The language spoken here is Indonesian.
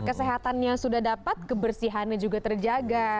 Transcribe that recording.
kesehatannya sudah dapat kebersihannya juga terjaga